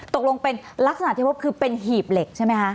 ตกลงเป็นลักษณะที่พบคือเป็นหีบเหล็กใช่ไหมคะ